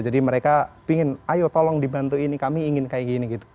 jadi mereka ingin ayo tolong dibantu ini kami ingin kayak gini